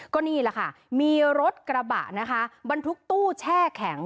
ก็นี่แหละค่ะมีรถกระบะนะคะบรรทุกตู้แช่แข็ง